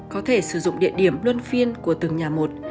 có thể sử dụng địa điểm luân phiên của từng nhà một